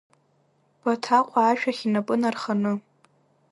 Баҭаҟәа ашә ахь инапы нарханы.